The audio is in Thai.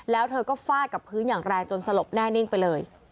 แล้วเธอก็ฟาดกับพื้นอย่างแรงจนสลบแน่นิ่งไปเลย